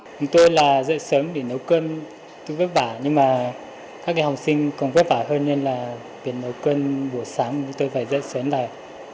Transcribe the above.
chúng tôi là dậy sớm để nấu cơm tôi vất vả nhưng mà các em học sinh còn vất vả hơn nên là việc nấu cơm buổi sáng tôi phải dậy sớm lại